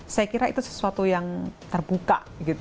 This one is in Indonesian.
saya kira itu sesuatu yang terbuka